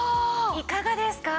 いかがですか？